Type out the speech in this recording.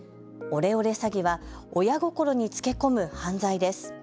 オレオレ詐欺は親心につけ込む犯罪です。